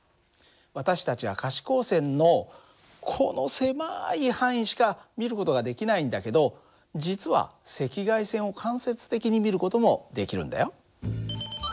私たちは可視光線のこの狭い範囲しか見る事ができないんだけど実は赤外線を間接的に見る事もできるんだよ。